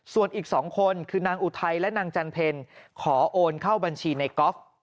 ส่วนอีก๒คนคือนางอุทัยและนางจันเพลขอโอนเข้าบัญชีในกอล์ฟ